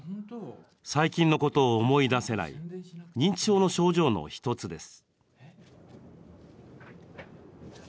最近のことを思い出せない認知症の症状の１つです。